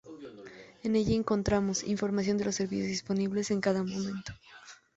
En ella encontramos, información de los servicios disponibles en cada momento.